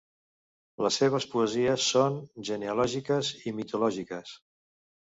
Les seves poesies són genealògiques i mitològiques.